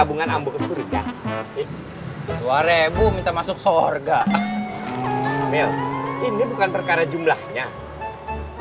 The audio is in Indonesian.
ongkos administrasi perbankan